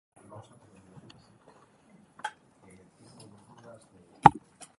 Amonaren urtebetetzea ospatzeko bildu den familia baten kontakizuna dakar.